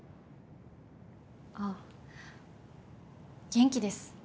あっ元気です。